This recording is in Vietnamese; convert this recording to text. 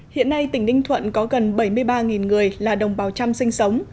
hiện nay tỉnh ninh thuận có gần bảy mươi ba người là đồng bào trăm sinh sống